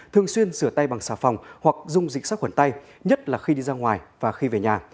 thường xuyên sửa tay bằng xà phòng hoặc dùng dịch sắc khuẩn tay nhất là khi đi ra ngoài và khi về nhà